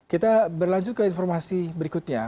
kita berlanjut ke informasi berikutnya